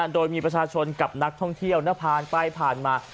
โดยมีประชาชนกับนักท่องเที่ยวผ่านไปผ่านมา